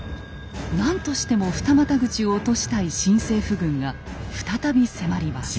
何としても二股口を落としたい新政府軍が再び迫ります。